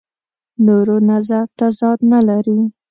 نورو نظر تضاد نه لري.